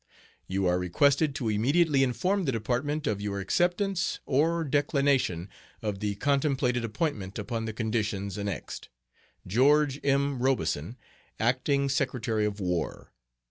You are requested to immediately inform the Department of your acceptance or declination of the contemplated appointment upon the conditions annexed. GEO. M. ROBESON, Acting Secretary of War.